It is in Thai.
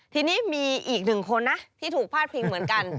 ทีนี้มีอีกหนึ่งคนนะที่ถูกพาดพิงเหมือนกัน